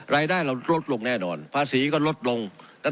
รายได้เราลดลงแน่นอนภาษีก็ลดลง